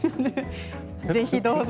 ぜひどうぞ。